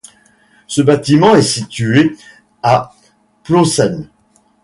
Ce bâtiment est situé à Plobsheim.